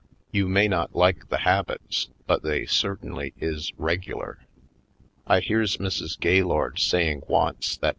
You may not like the habits, but they certainly is regular. I hears Mrs. Gaylord saying once that Mr. 170